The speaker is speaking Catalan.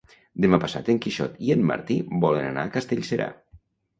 Demà passat en Quixot i en Martí volen anar a Castellserà.